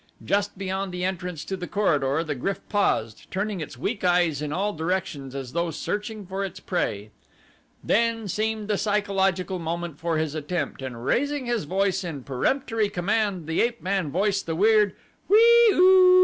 Just beyond the entrance to the corridor the GRYF paused, turning its weak eyes in all directions as though searching for its prey. This then seemed the psychological moment for his attempt and raising his voice in peremptory command the ape man voiced the weird whee oo!